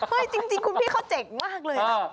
จริงคุณพี่เขาเจ๋งมากเลย